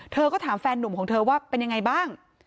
เธอก็ถามแฟนหนุ่มของเธอว่าเป็นยังไงบ้าง